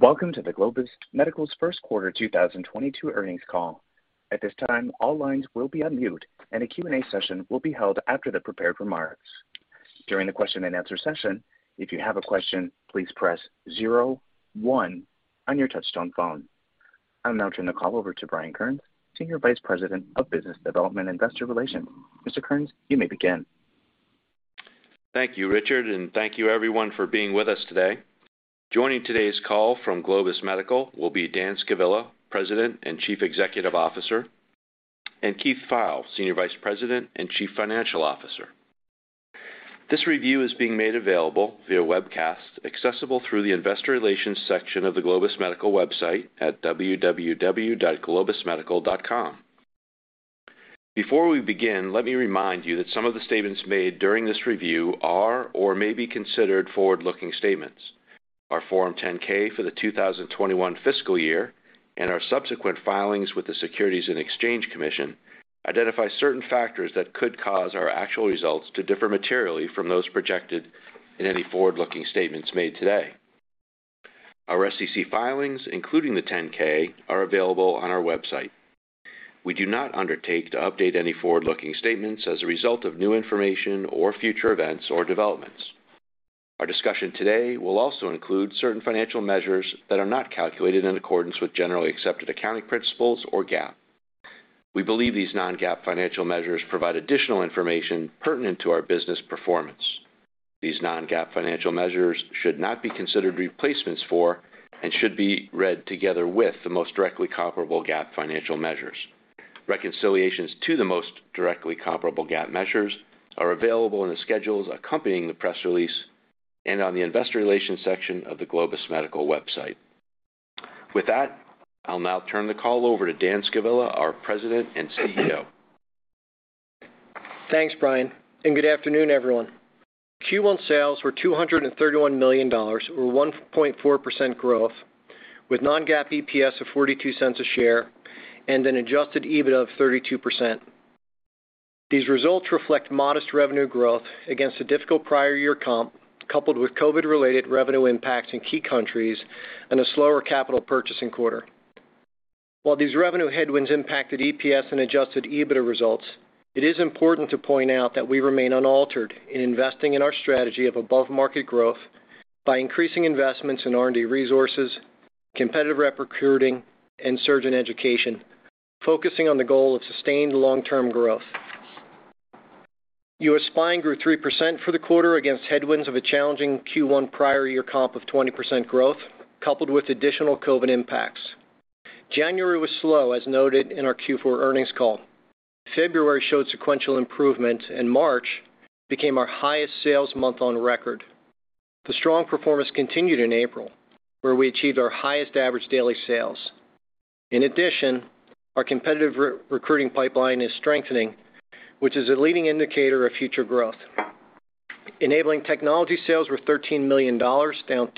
Welcome to Globus Medical's first quarter 2022 earnings call. At this time, all lines will be on mute, and a Q&A session will be held after the prepared remarks. During the question and answer session, if you have a question, please press zero one on your touch tone phone. I'll now turn the call over to Brian Kearns, Senior Vice President, Business Development & Investor Relations. Mr. Kearns, you may begin. Thank you, Richard, and thank you everyone for being with us today. Joining today's call from Globus Medical will be Dan Scavilla, President and Chief Executive Officer, and Keith Pfeil, Senior Vice President and Chief Financial Officer. This review is being made available via webcast, accessible through the investor relations section of the Globus Medical website at www.globusmedical.com. Before we begin, let me remind you that some of the statements made during this review are or may be considered forward-looking statements. Our Form 10-K for the 2021 fiscal year and our subsequent filings with the Securities and Exchange Commission identify certain factors that could cause our actual results to differ materially from those projected in any forward-looking statements made today. Our SEC filings, including the 10-K, are available on our website. We do not undertake to update any forward-looking statements as a result of new information or future events or developments. Our discussion today will also include certain financial measures that are not calculated in accordance with generally accepted accounting principles or GAAP. We believe these non-GAAP financial measures provide additional information pertinent to our business performance. These non-GAAP financial measures should not be considered replacements for and should be read together with the most directly comparable GAAP financial measures. Reconciliations to the most directly comparable GAAP measures are available in the schedules accompanying the press release and on the investor relations section of the Globus Medical website. With that, I'll now turn the call over to Dan Scavilla, our President and CEO. Thanks, Brian, and good afternoon, everyone. Q1 sales were $231 million or 1.4% growth with non-GAAP EPS of $0.42 a share and an adjusted EBITDA of 32%. These results reflect modest revenue growth against a difficult prior year comp, coupled with COVID-related revenue impacts in key countries and a slower capital purchasing quarter. While these revenue headwinds impacted EPS and adjusted EBITDA results, it is important to point out that we remain unaltered in investing in our strategy of above-market growth by increasing investments in R&D resources, competitive recruiting, and surgeon education, focusing on the goal of sustained long-term growth. U.S. Spine grew 3% for the quarter against headwinds of a challenging Q1 prior year comp of 20% growth, coupled with additional COVID impacts. January was slow, as noted in our Q4 earnings call. February showed sequential improvement, and March became our highest sales month on record. The strong performance continued in April, where we achieved our highest average daily sales. In addition, our competitive re-recruiting pipeline is strengthening, which is a leading indicator of future growth. Enabling technology sales were $13 million, down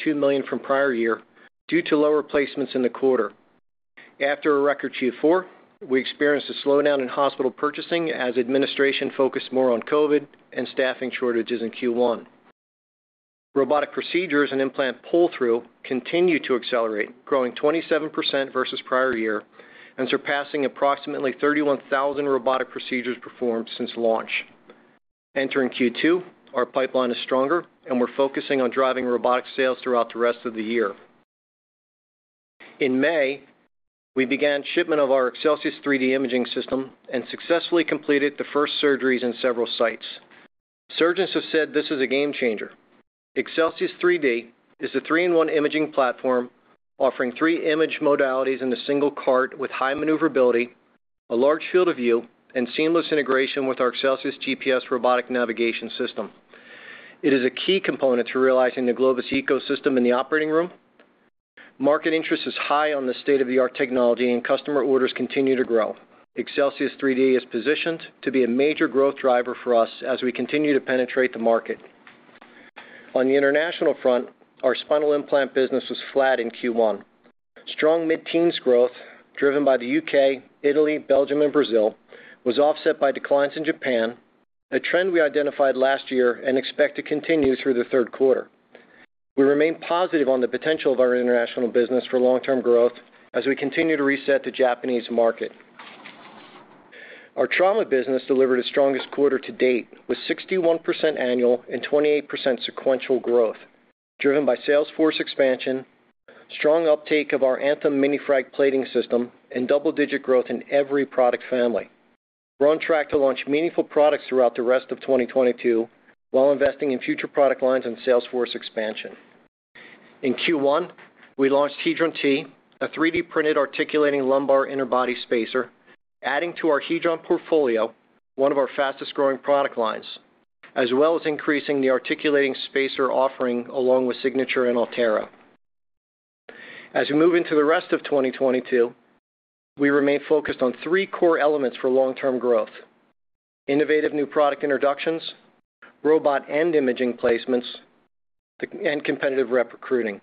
$2 million from prior year due to low replacements in the quarter. After a record Q4, we experienced a slowdown in hospital purchasing as administration focused more on COVID and staffing shortages in Q1. Robotic procedures and implant pull-through continue to accelerate, growing 27% versus prior year and surpassing approximately 31,000 robotic procedures performed since launch. Entering Q2, our pipeline is stronger and we're focusing on driving robotic sales throughout the rest of the year. In May, we began shipment of our Excelsius3D imaging system and successfully completed the first surgeries in several sites. Surgeons have said this is a game changer. Excelsius 3D is a three-in-one imaging platform offering three image modalities in a single cart with high maneuverability, a large field of view, and seamless integration with our ExcelsiusGPS robotic navigation system. It is a key component to realizing the Globus ecosystem in the operating room. Market interest is high on this state-of-the-art technology and customer orders continue to grow. Excelsius 3D is positioned to be a major growth driver for us as we continue to penetrate the market. On the international front, our spinal implant business was flat in Q1. Strong mid-teens growth driven by the UK, Italy, Belgium, and Brazil was offset by declines in Japan, a trend we identified last year and expect to continue through the third quarter. We remain positive on the potential of our international business for long-term growth as we continue to reset the Japanese market. Our trauma business delivered its strongest quarter to date with 61% annual and 28% sequential growth, driven by sales force expansion, strong uptake of our ANTHEM Mini Fragment Plating System, and double-digit growth in every product family. We're on track to launch meaningful products throughout the rest of 2022, while investing in future product lines and sales force expansion. In Q1, we launched HEDRON T, a 3D printed articulating lumbar interbody spacer, adding to our HEDRON portfolio, one of our fastest-growing product lines, as well as increasing the articulating spacer offering along with SIGNATURE and ALTERA. As we move into the rest of 2022, we remain focused on three core elements for long-term growth, innovative new product introductions, robot and imaging placements, and competitive rep recruiting.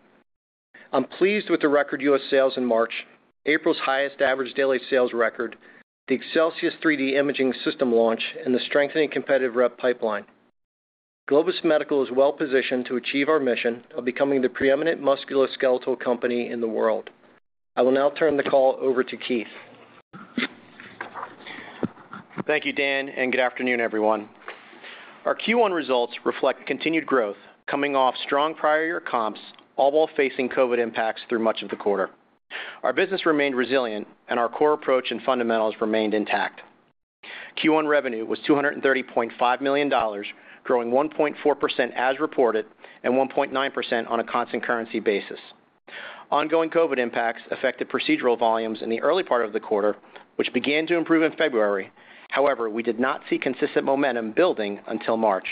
I'm pleased with the record U.S. sales in March, April's highest average daily sales record, the Excelsius3D imaging system launch, and the strengthening competitive rep pipeline. Globus Medical is well positioned to achieve our mission of becoming the preeminent musculoskeletal company in the world. I will now turn the call over to Keith. Thank you, Dan, and good afternoon, everyone. Our Q1 results reflect continued growth coming off strong prior year comps, all while facing COVID impacts through much of the quarter. Our business remained resilient and our core approach and fundamentals remained intact. Q1 revenue was $230.5 million, growing 1.4% as reported and 1.9% on a constant currency basis. Ongoing COVID impacts affected procedural volumes in the early part of the quarter, which began to improve in February. However, we did not see consistent momentum building until March.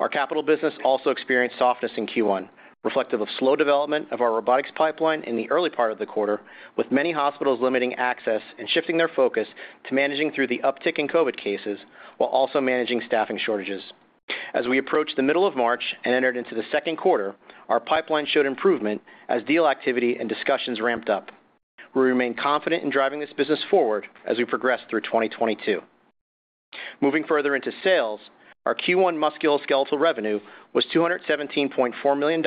Our capital business also experienced softness in Q1, reflective of slow development of our robotics pipeline in the early part of the quarter, with many hospitals limiting access and shifting their focus to managing through the uptick in COVID cases while also managing staffing shortages. As we approached the middle of March and entered into the second quarter, our pipeline showed improvement as deal activity and discussions ramped up. We remain confident in driving this business forward as we progress through 2022. Moving further into sales, our Q1 musculoskeletal revenue was $217.4 million,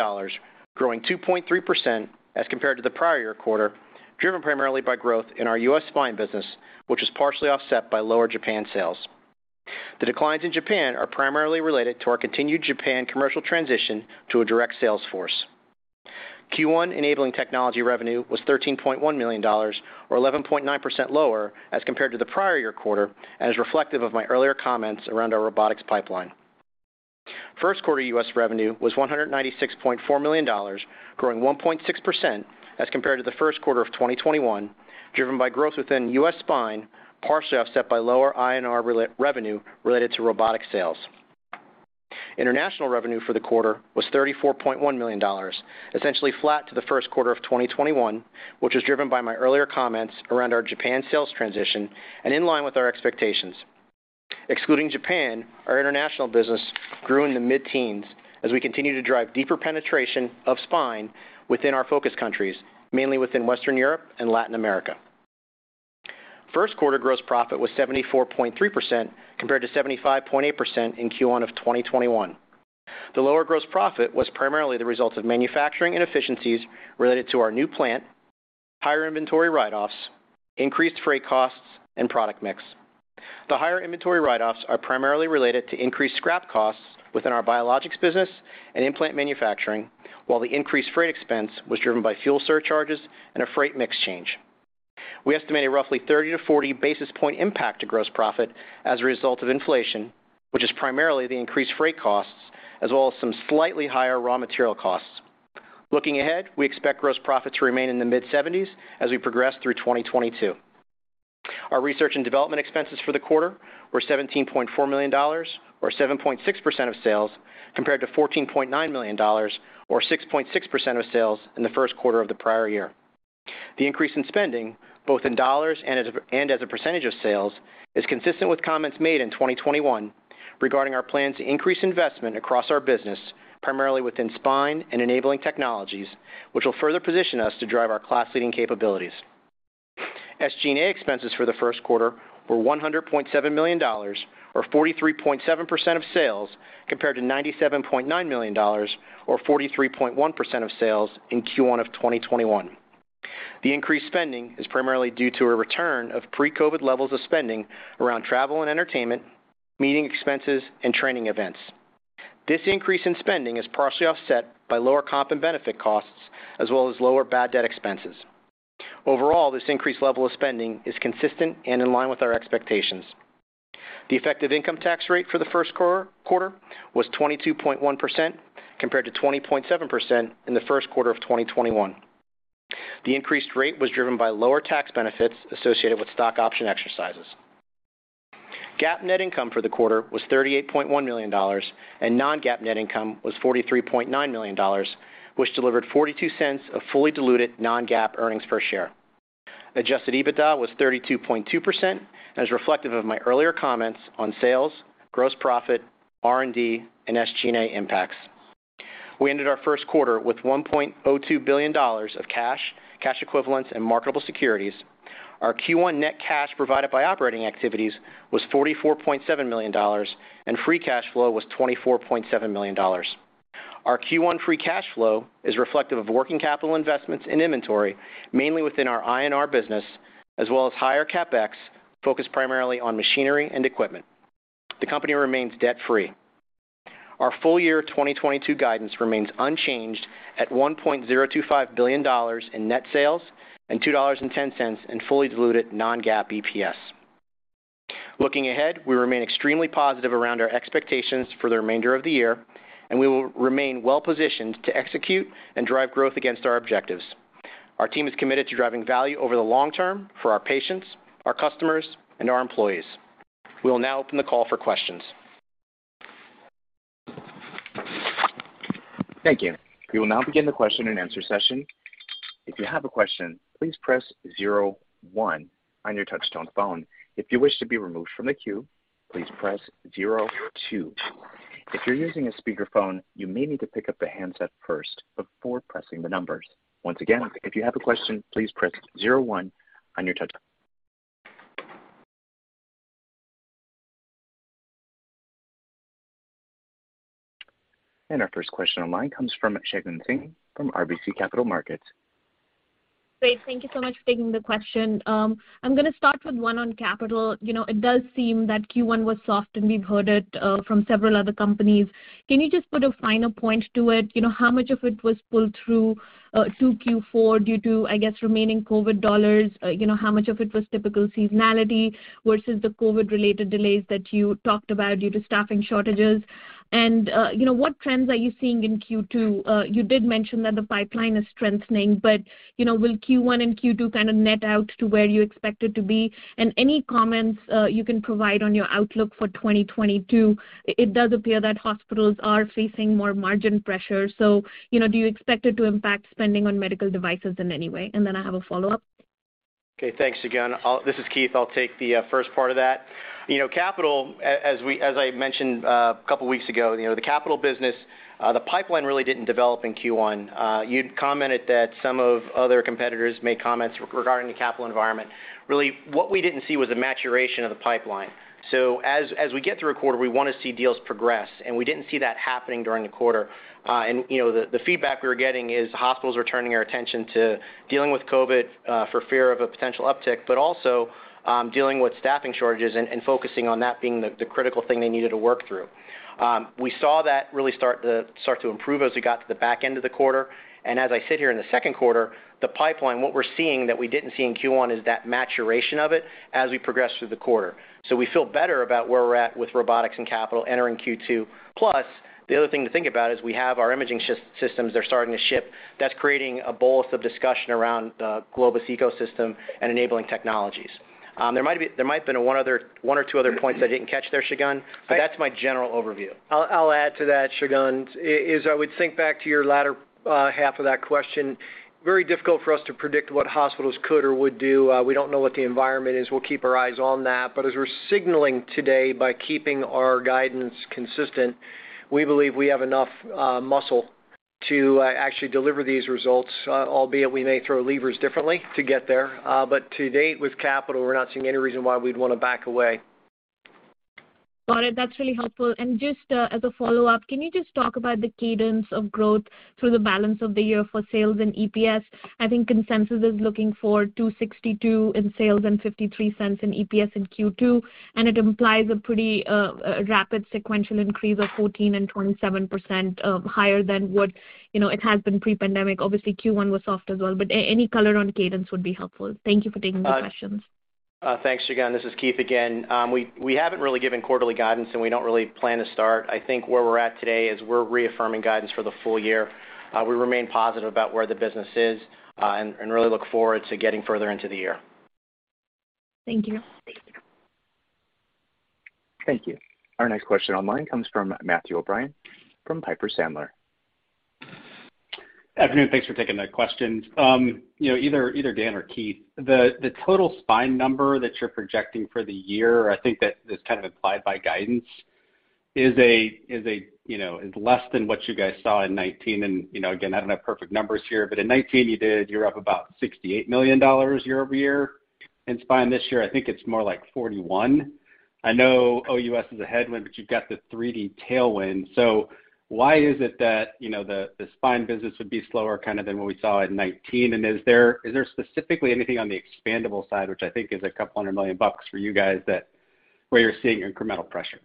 growing 2.3% as compared to the prior year quarter, driven primarily by growth in our U.S. Spine business, which was partially offset by lower Japan sales. The declines in Japan are primarily related to our continued Japan commercial transition to a direct sales force. Q1 enabling technology revenue was $13.1 million or 11.9% lower as compared to the prior year quarter, and is reflective of my earlier comments around our robotics pipeline. First quarter U.S. revenue was $196.4 million, growing 1.6% as compared to the first quarter of 2021, driven by growth within U.S. Spine, partially offset by lower INR revenue related to robotic sales. International revenue for the quarter was $34.1 million, essentially flat to the first quarter of 2021, which was driven by my earlier comments around our Japan sales transition and in line with our expectations. Excluding Japan, our international business grew in the mid-teens as we continue to drive deeper penetration of spine within our focus countries, mainly within Western Europe and Latin America. First quarter gross profit was 74.3% compared to 75.8% in Q1 of 2021. The lower gross profit was primarily the result of manufacturing inefficiencies related to our new plant, higher inventory write-offs, increased freight costs and product mix. The higher inventory write-offs are primarily related to increased scrap costs within our biologics business and implant manufacturing, while the increased freight expense was driven by fuel surcharges and a freight mix change. We estimate a roughly 30-40 basis points impact to gross profit as a result of inflation, which is primarily the increased freight costs as well as some slightly higher raw material costs. Looking ahead, we expect gross profit to remain in the mid-70s% as we progress through 2022. Our research and development expenses for the quarter were $17.4 million or 7.6% of sales, compared to $14.9 million or 6.6% of sales in the first quarter of the prior year. The increase in spending, both in dollars and as a percentage of sales, is consistent with comments made in 2021 regarding our plan to increase investment across our business, primarily within spine and enabling technologies, which will further position us to drive our class leading capabilities. SG&A expenses for the first quarter were $100.7 million or 43.7% of sales, compared to $97.9 million or 43.1% of sales in Q1 of 2021. The increased spending is primarily due to a return of pre-COVID levels of spending around travel and entertainment, meeting expenses and training events. This increase in spending is partially offset by lower comp and benefit costs as well as lower bad debt expenses. Overall, this increased level of spending is consistent and in line with our expectations. The effective income tax rate for the first quarter was 22.1% compared to 20.7% in the first quarter of 2021. The increased rate was driven by lower tax benefits associated with stock option exercises. GAAP net income for the quarter was $38.1 million, and non-GAAP net income was $43.9 million, which delivered $0.42 of fully diluted non-GAAP earnings per share. Adjusted EBITDA was 32.2% and is reflective of my earlier comments on sales, gross profit, R&D and SG&A impacts. We ended our first quarter with $1.02 billion of cash equivalents and marketable securities. Our Q1 net cash provided by operating activities was $44.7 million and free cash flow was $24.7 million. Our Q1 free cash flow is reflective of working capital investments in inventory, mainly within our INR business, as well as higher CapEx focused primarily on machinery and equipment. The company remains debt free. Our full year 2022 guidance remains unchanged at $1.025 billion in net sales and $2.10 in fully diluted non-GAAP EPS. Looking ahead, we remain extremely positive around our expectations for the remainder of the year, and we will remain well positioned to execute and drive growth against our objectives. Our team is committed to driving value over the long term for our patients, our customers, and our employees. We will now open the call for questions. Thank you. We will now begin the question and answer session. If you have a question, please press zero one on your touchtone phone. If you wish to be removed from the queue, please press zero two. If you're using a speakerphone, you may need to pick up the handset first before pressing the numbers. Once again, if you have a question, please press zero one on your touchtone. Our first question online comes from Shagun Singh from RBC Capital Markets. Great. Thank you so much for taking the question. I'm gonna start with one on CapEx. You know, it does seem that Q1 was soft, and we've heard it from several other companies. Can you just put a finer point to it? You know, how much of it was pulled through to Q4 due to, I guess, remaining COVID dollars? You know, how much of it was typical seasonality versus the COVID-related delays that you talked about due to staffing shortages? And you know, what trends are you seeing in Q2? You did mention that the pipeline is strengthening, but you know, will Q1 and Q2 kind of net out to where you expect it to be? And any comments you can provide on your outlook for 2022. It does appear that hospitals are facing more margin pressure, so, you know, do you expect it to impact spending on medical devices in any way? I have a follow-up. Okay, thanks Shagun. This is Keith. I'll take the first part of that. You know, capital as I mentioned a couple weeks ago, you know, the capital business, the pipeline really didn't develop in Q1. You'd commented that some other competitors made comments regarding the capital environment. Really what we didn't see was the maturation of the pipeline. As we get through a quarter, we wanna see deals progress, and we didn't see that happening during the quarter. You know, the feedback we were getting is hospitals are turning their attention to dealing with COVID for fear of a potential uptick, but also dealing with staffing shortages and focusing on that being the critical thing they needed to work through. We saw that really start to improve as we got to the back end of the quarter. As I sit here in the second quarter, the pipeline, what we're seeing that we didn't see in Q1 is that maturation of it as we progress through the quarter. We feel better about where we're at with robotics and capital entering Q2. Plus, the other thing to think about is we have our imaging systems that are starting to ship. That's creating a bolus of discussion around the Globus ecosystem and enabling technologies. There might have been one or two other points I didn't catch there, Shagun. Okay. That's my general overview. I'll add to that, Shagun. As I would think back to your latter half of that question, very difficult for us to predict what hospitals could or would do. We don't know what the environment is. We'll keep our eyes on that, but as we're signaling today by keeping our guidance consistent, we believe we have enough muscle to actually deliver these results, albeit we may throw levers differently to get there. To date with capital, we're not seeing any reason why we'd wanna back away. Got it. That's really helpful. Just as a follow-up, can you just talk about the cadence of growth through the balance of the year for sales and EPS? I think consensus is looking for $262 in sales and $0.53 in EPS in Q2, and it implies a pretty rapid sequential increase of 14% and 27%, higher than what, you know, it has been pre-pandemic. Obviously, Q1 was soft as well, but any color on cadence would be helpful. Thank you for taking the questions. Thanks, Shagun. This is Keith again. We haven't really given quarterly guidance, and we don't really plan to start. I think where we're at today is we're reaffirming guidance for the full year. We remain positive about where the business is, and really look forward to getting further into the year. Thank you. Thank you. Our next question online comes from Matthew O'Brien from Piper Sandler. Afternoon, thanks for taking the questions. You know, either Dan or Keith, the total spine number that you're projecting for the year, I think that is kind of implied by guidance, is less than what you guys saw in 2019. You know, again, I don't have perfect numbers here, but in 2019 you were up about $68 million year-over-year in spine. This year I think it's more like 41. I know OUS is a headwind, but you've got the 3D tailwind. Why is it that, you know, the spine business would be slower kind of than what we saw in 2019? Is there specifically anything on the expandable side, which I think is a couple hundred million bucks for you guys, that's where you're seeing incremental pressure?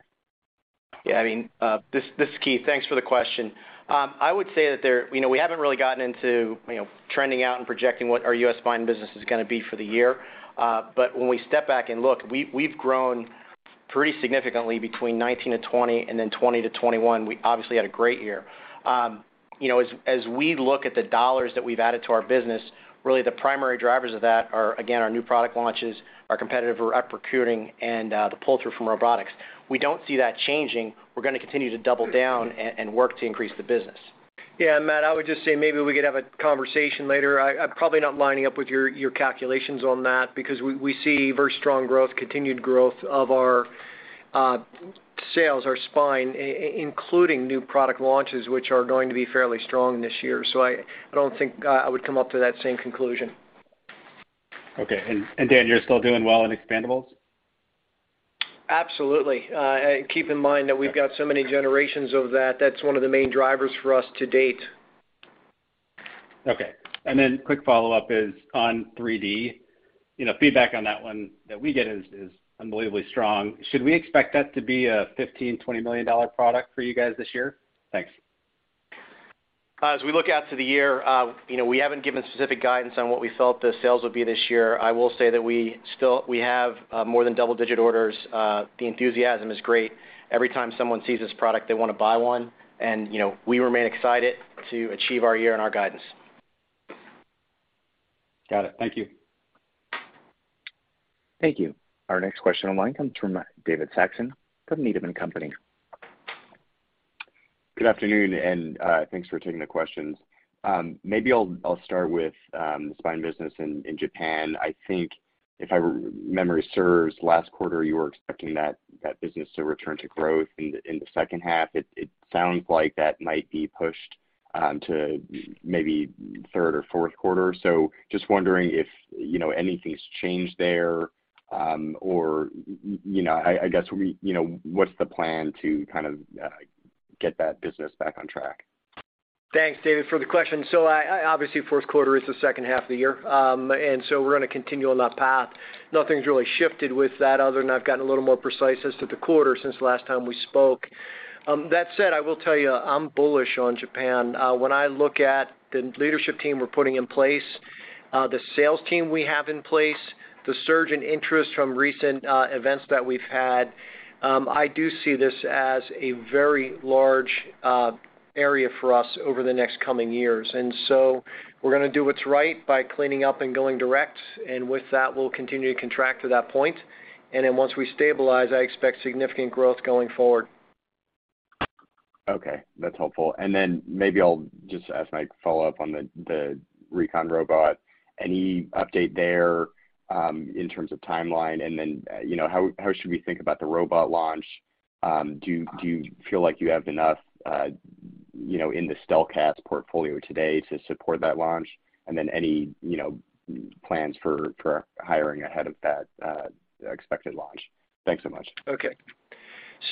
Yeah, I mean, this is Keith. Thanks for the question. I would say that there you know, we haven't really gotten into, you know, trending out and projecting what our U.S. spine business is gonna be for the year. When we step back and look, we've grown pretty significantly between 2019-2020 and then 2020-2021. We obviously had a great year. You know, as we look at the dollars that we've added to our business, really the primary drivers of that are, again, our new product launches, our competitive rep recruiting, and the pull through from robotics. We don't see that changing. We're gonna continue to double down and work to increase the business. Yeah, Matt, I would just say maybe we could have a conversation later. I'm probably not lining up with your calculations on that because we see very strong growth, continued growth of our sales, our spine, including new product launches, which are going to be fairly strong this year. I don't think I would come up to that same conclusion. Okay. Dan, you're still doing well in expandables? Absolutely. Keep in mind that we've got so many generations of that's one of the main drivers for us to date. Okay. Quick follow-up is on 3D. You know, feedback on that one that we get is unbelievably strong. Should we expect that to be a $15-$20 million-dollar product for you guys this year? Thanks. As we look out to the year, you know, we haven't given specific guidance on what we felt the sales would be this year. I will say that we still have more than double-digit orders. The enthusiasm is great. Every time someone sees this product, they wanna buy one. You know, we remain excited to achieve our year and our guidance. Got it. Thank you. Thank you. Our next question online comes from David Saxon from Needham & Company. Good afternoon, thanks for taking the questions. Maybe I'll start with the spine business in Japan. I think if memory serves, last quarter, you were expecting that business to return to growth in the second half. It sounds like that might be pushed to maybe third or fourth quarter. Just wondering if you know, anything's changed there, or you know, I guess you know, what's the plan to kind of get that business back on track? Thanks, David, for the question. I obviously, fourth quarter is the second half of the year. We're gonna continue on that path. Nothing's really shifted with that other than I've gotten a little more precise as to the quarter since the last time we spoke. That said, I will tell you, I'm bullish on Japan. When I look at the leadership team we're putting in place, the sales team we have in place, the surge in interest from recent events that we've had, I do see this as a very large area for us over the next coming years. We're gonna do what's right by cleaning up and going direct. With that, we'll continue to contract to that point. Then once we stabilize, I expect significant growth going forward. Okay, that's helpful. Then maybe I'll just ask my follow-up on the Recon robot. Any update there in terms of timeline? Then, you know, how should we think about the robot launch? Do you feel like you have enough, you know, in the StelKast portfolio today to support that launch? Then any, you know, plans for hiring ahead of that expected launch? Thanks so much. Okay.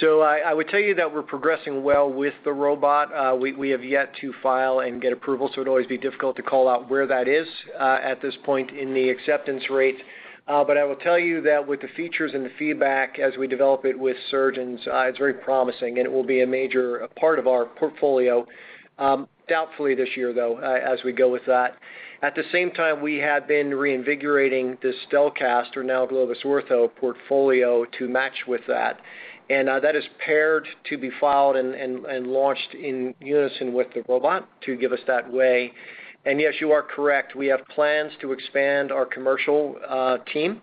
I would tell you that we're progressing well with the robot. We have yet to file and get approval, so it'd always be difficult to call out where that is at this point in the acceptance rate. I will tell you that with the features and the feedback as we develop it with surgeons, it's very promising and it will be a major part of our portfolio, doubtfully this year, though, as we go with that. At the same time, we have been reinvigorating the StelKast or now Globus Ortho portfolio to match with that. That is prepared to be filed and launched in unison with the robot to give us that way. Yes, you are correct. We have plans to expand our commercial team.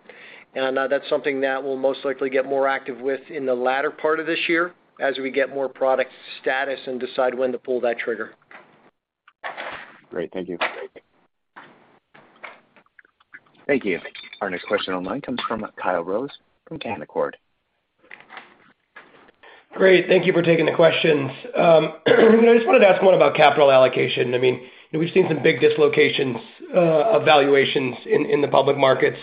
That's something that we'll most likely get more active with in the latter part of this year as we get more product status and decide when to pull that trigger. Great. Thank you. Thank you. Our next question online comes from Kyle Rose from Canaccord Genuity. Great. Thank you for taking the questions. I just wanted to ask one about capital allocation. I mean, we've seen some big dislocations of valuations in the public markets.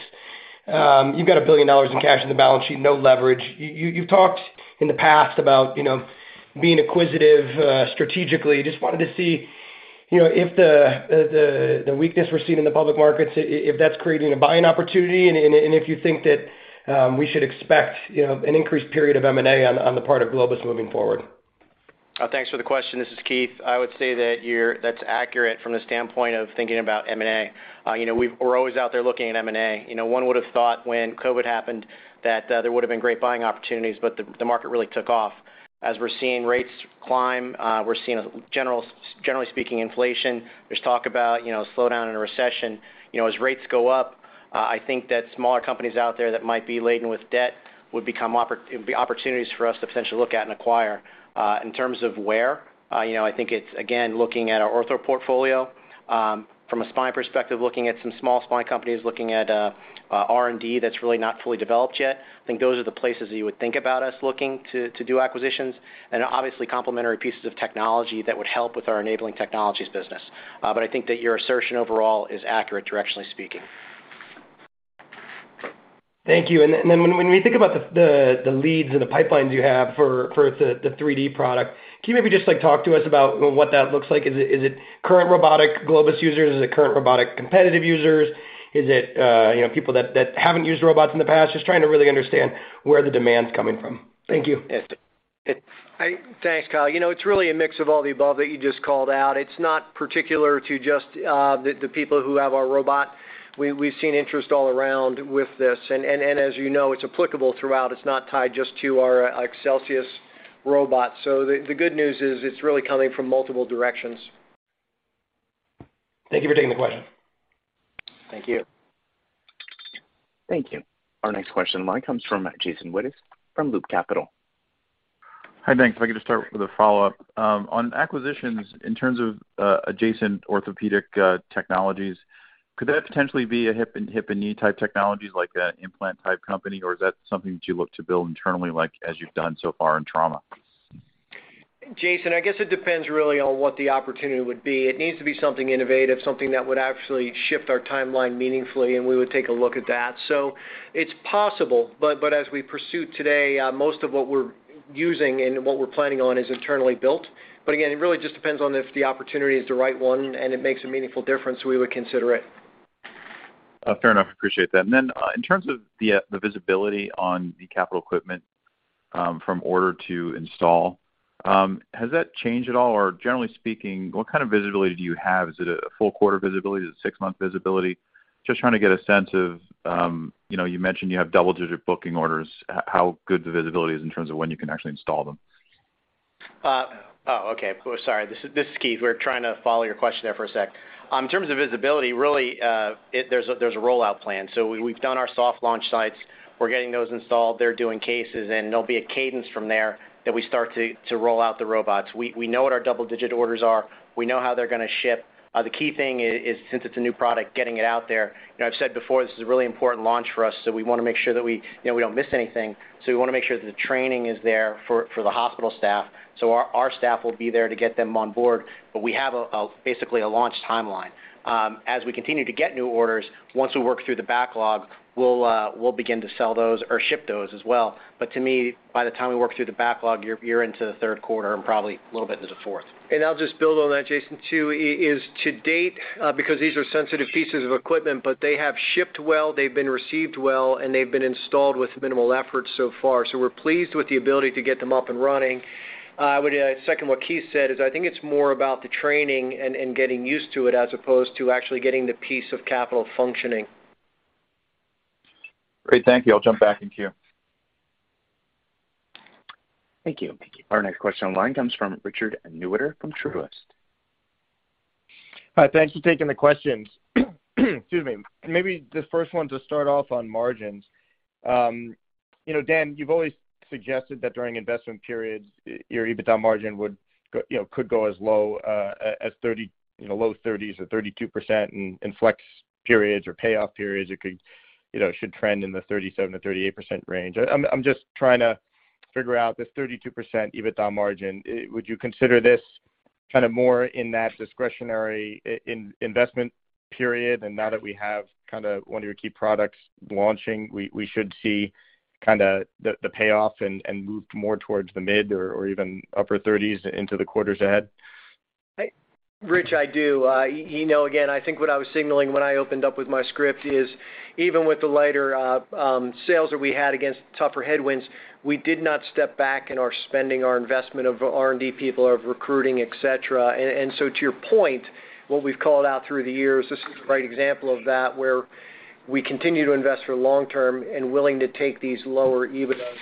You've got $1 billion in cash on the balance sheet, no leverage. You've talked in the past about, you know, being acquisitive strategically. Just wanted to see, you know, if the weakness we're seeing in the public markets, if that's creating a buying opportunity, and if you think that we should expect, you know, an increased period of M&A on the part of Globus moving forward. Thanks for the question. This is Keith. I would say that that's accurate from the standpoint of thinking about M&A. You know, we're always out there looking at M&A. You know, one would have thought when COVID happened that there would have been great buying opportunities, but the market really took off. As we're seeing rates climb, we're seeing generally speaking, inflation. There's talk about, you know, slowdown and a recession. You know, as rates go up, I think that smaller companies out there that might be laden with debt would become opportunities for us to potentially look at and acquire. In terms of where, you know, I think it's again looking at our ortho portfolio, from a spine perspective, looking at some small spine companies, looking at R&D that's really not fully developed yet. I think those are the places that you would think about us looking to do acquisitions and obviously complementary pieces of technology that would help with our enabling technologies business. I think that your assertion overall is accurate, directionally speaking. Thank you. When we think about the leads and the pipelines you have for the 3D product, can you maybe just like talk to us about what that looks like? Is it current robotic Globus users? Is it current robotic competitive users? Is it, you know, people that haven't used robots in the past? Just trying to really understand where the demand's coming from. Thank you. Yes. Thanks, Kyle. You know, it's really a mix of all the above that you just called out. It's not particular to just the people who have our robot. We've seen interest all around with this. As you know, it's applicable throughout. It's not tied just to our Excelsius robot. The good news is it's really coming from multiple directions. Thank you for taking the question. Thank you. Thank you. Our next question in line comes from Jason Wittes from Loop Capital. Hi. Thanks. If I could just start with a follow-up. On acquisitions in terms of adjacent orthopedic technologies, could that potentially be a hip and knee type technologies like a implant type company, or is that something that you look to build internally like as you've done so far in trauma? Jason, I guess it depends really on what the opportunity would be. It needs to be something innovative, something that would actually shift our timeline meaningfully, and we would take a look at that. It's possible, but as we pursue today, most of what we're using and what we're planning on is internally built. Again, it really just depends on if the opportunity is the right one and it makes a meaningful difference, we would consider it. Fair enough. Appreciate that. Then, in terms of the visibility on the capital equipment, from order to install, has that changed at all? Or generally speaking, what kind of visibility do you have? Is it a full quarter visibility? Is it six-month visibility? Just trying to get a sense of, you know, you mentioned you have double-digit booking orders, how good the visibility is in terms of when you can actually install them. Sorry, this is Keith. We're trying to follow your question there for a sec. In terms of visibility, really, there's a rollout plan. We've done our soft launch sites. We're getting those installed. They're doing cases, and there'll be a cadence from there that we start to roll out the robots. We know what our double-digit orders are. We know how they're gonna ship. The key thing is since it's a new product, getting it out there. You know, I've said before, this is a really important launch for us, so we wanna make sure that we, you know, we don't miss anything. We wanna make sure that the training is there for the hospital staff. Our staff will be there to get them on board. We have basically a launch timeline. As we continue to get new orders, once we work through the backlog, we'll begin to sell those or ship those as well. To me, by the time we work through the backlog, you're into the third quarter and probably a little bit into fourth. I'll just build on that, Jason, too, is to date, because these are sensitive pieces of equipment, but they have shipped well, they've been received well, and they've been installed with minimal effort so far. So we're pleased with the ability to get them up and running. I would second what Keith said, is I think it's more about the training and getting used to it as opposed to actually getting the piece of capital functioning. Great. Thank you. I'll jump back in queue. Thank you. Our next question online comes from Richard Newitter from Truist. Hi. Thanks for taking the questions. Excuse me. Maybe the first one to start off on margins. You know, Dan, you've always suggested that during investment periods, your EBITDA margin would go, you know, could go as low as 30, you know, low 30s or 32% in invest periods or payoff periods. It could, you know, should trend in the 37%-38% range. I'm just trying to figure out this 32% EBITDA margin. Would you consider this kind of more in that discretionary investment period and now that we have kinda one of your key products launching, we should see kinda the payoff and move more towards the mid or even upper 30s into the quarters ahead? Rich, I do. You know, again, I think what I was signaling when I opened up with my script is even with the lighter sales that we had against tougher headwinds, we did not step back in our spending, our investment of R&D people, of recruiting, et cetera. To your point, what we've called out through the years, this is a great example of that, where we continue to invest for long term and willing to take these lower EBITDAs.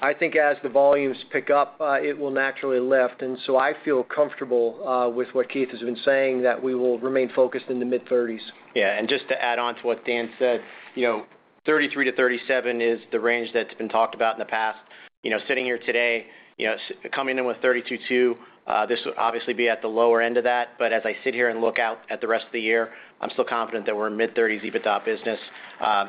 I think as the volumes pick up, it will naturally lift. I feel comfortable with what Keith has been saying, that we will remain focused in the mid-thirties. Yeah, just to add on to what Dan said, you know, 33%-37% is the range that's been talked about in the past. You know, sitting here today, you know, coming in with 32.2%, this would obviously be at the lower end of that. As I sit here and look out at the rest of the year, I'm still confident that we're in mid-30s% EBITDA business.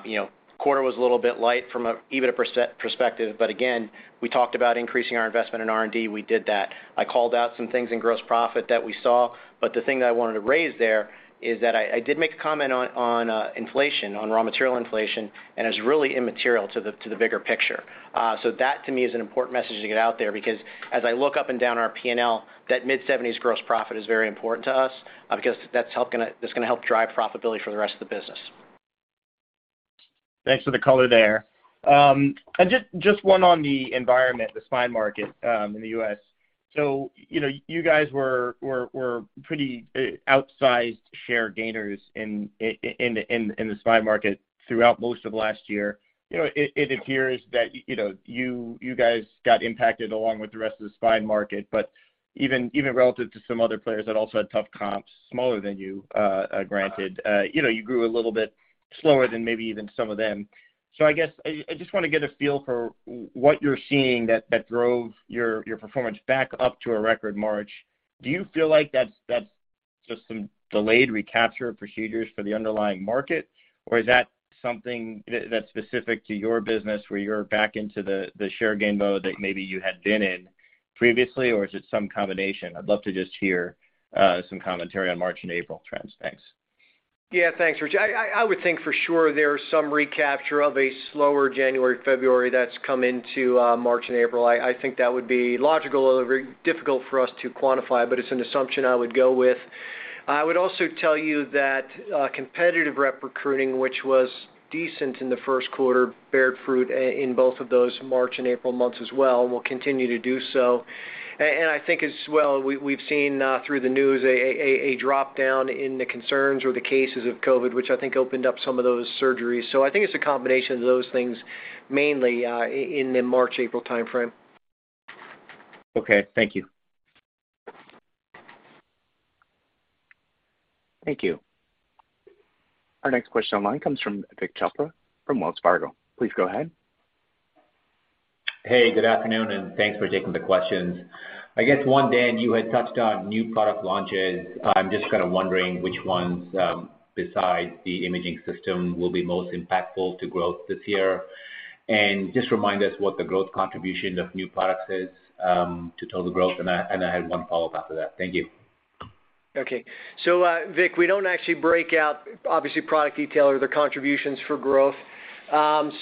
You know, quarter was a little bit light from an EBITDA perspective, but again, we talked about increasing our investment in R&D. We did that. I called out some things in gross profit that we saw, but the thing that I wanted to raise there is that I did make a comment on inflation, on raw material inflation, and it's really immaterial to the bigger picture. That to me is an important message to get out there because as I look up and down our P&L, that mid-seventies gross profit is very important to us, because that's gonna help drive profitability for the rest of the business. Thanks for the color there. Just one on the environment, the spine market, in the U.S. You know, you guys were pretty outsized share gainers in the spine market throughout most of last year. You know, it appears that you guys got impacted along with the rest of the spine market, but even relative to some other players that also had tough comps smaller than you, granted, you know, you grew a little bit slower than maybe even some of them. I guess I just wanna get a feel for what you're seeing that drove your performance back up to a record March. Do you feel like that's just some delayed recapture procedures for the underlying market, or is that something that's specific to your business where you're back into the share gain mode that maybe you had been in previously, or is it some combination? I'd love to just hear some commentary on March and April trends. Thanks. Yeah. Thanks, Richard Newitter. I would think for sure there's some recapture of a slower January, February that's come into March and April. I think that would be logical, although very difficult for us to quantify, but it's an assumption I would go with. I would also tell you that competitive rep recruiting, which was decent in the first quarter, bore fruit in both of those March and April months as well, will continue to do so. I think as well, we've seen through the news a drop in the concerns or the cases of COVID, which I think opened up some of those surgeries. I think it's a combination of those things mainly in the March, April timeframe. Okay. Thank you. Thank you. Our next question online comes from Vik Chopra from Wells Fargo. Please go ahead. Hey, good afternoon, and thanks for taking the questions. I guess one, Dan, you had touched on new product launches. I'm just kinda wondering which ones, besides the imaging system, will be most impactful to growth this year. Just remind us what the growth contribution of new products is to total growth. I had one follow-up after that. Thank you. Okay. Vik, we don't actually break out obviously product detail or their contributions for growth.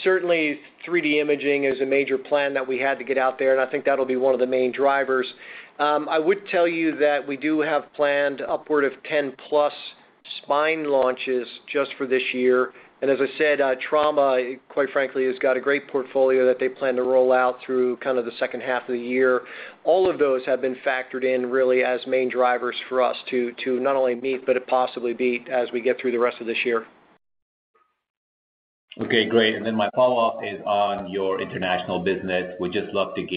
Certainly 3D imaging is a major plan that we had to get out there, and I think that'll be one of the main drivers. I would tell you that we do have planned upward of 10+ spine launches just for this year. As I said, trauma, quite frankly, has got a great portfolio that they plan to roll out through kind of the second half of the year. All of those have been factored in really as main drivers for us to not only meet, but possibly beat as we get through the rest of this year. Okay, great. My follow-up is on your international business. Would just love to get-